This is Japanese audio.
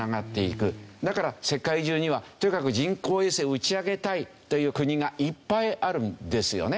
だから世界中にはとにかく人工衛星を打ち上げたいという国がいっぱいあるんですよね。